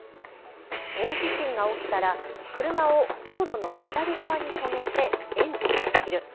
大地震が起きたら車を道路の左側に止めてエンジンを切る。